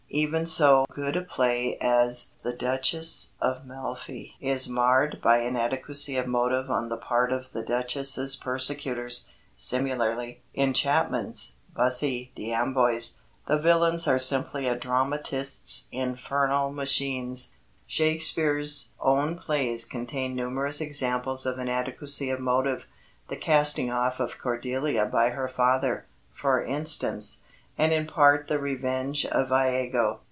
Even so good a play as The Duchess of Malfi is marred by inadequacy of motive on the part of the duchess's persecutors. Similarly, in Chapman's Bussy d'Ambois, the villains are simply a dramatist's infernal machines. Shakespeare's own plays contain numerous examples of inadequacy of motive the casting off of Cordelia by her father, for instance, and in part the revenge of Iago.